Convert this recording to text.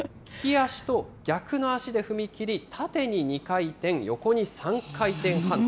利き足と逆の足で踏み切り、縦に２回転、横に３回転半。